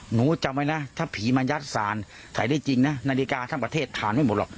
หนูจำไว้นะถ้าผีมายัดศาลถ่ายได้จริงนะนาฬิกาทั้งประเทศทานไม่หมดหรอก